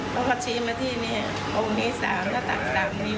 เขาก็ชี้มาที่เนี่ยองค์ที่สามถ้าต่างสามนิ้ว